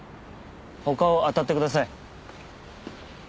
他を当たってください。